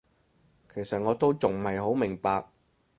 其實我都仲唔係好明白